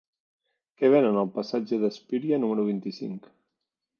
Què venen al passatge d'Espíria número vint-i-cinc?